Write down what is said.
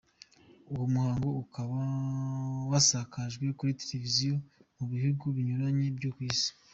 Uwo muhango ukaba wasakajwe kuri televisiyo mu bihugu binyuranye byo ku isi.